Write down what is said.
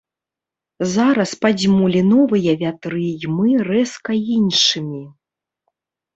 Зараз падзьмулі новыя вятры і мы рэзка іншымі.